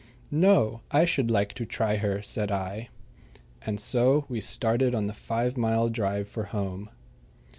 "No; I should like to try her," said I. And so we started on the five mile drive for home.